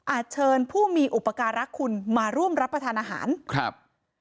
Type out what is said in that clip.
เชิญผู้มีอุปการรักคุณมาร่วมรับประทานอาหารครับ